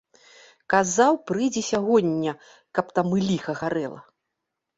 Казаў, прыйдзе сягоння, каб там і ліха гарэла.